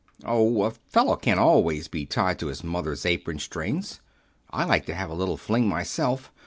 "Oh, a fellow can't always be tied to his mother's apron strings. I like to have a little fling myself.